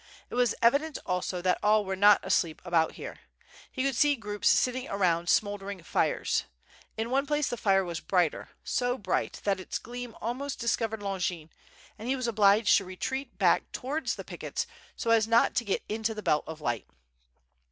It was evident* also that all were not asleep about here. He could see groups sitting around smouldering fires. In one place the fire was brighter, so bright that its gleam almost discovered Longin, and he was obliged to retreat back towards the pickets so as not to get into the belt of light.